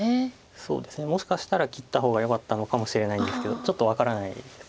そうですねもしかしたら切った方がよかったのかもしれないんですけどちょっと分からないです。